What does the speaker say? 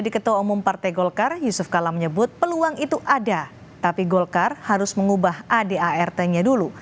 di ketua umum partai golkar yusuf kala menyebut peluang itu ada tapi golkar harus mengubah adart nya dulu